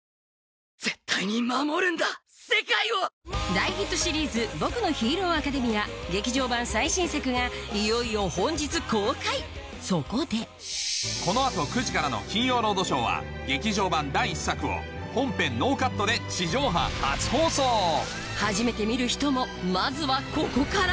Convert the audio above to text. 大ヒットシリーズ『僕のヒーローアカデミア』劇場版最新作がいよいよ本日公開そこでこの後９時からの『金曜ロードショー』は劇場版第１作を本編ノーカットで地上波初放送初めて見る人もまずはここから！